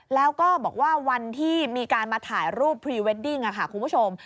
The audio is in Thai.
แล้วก็บอกว่าวันที่มีการมาถ่ายรูปพรีเวดดิ้งค่ะคุณผู้ชม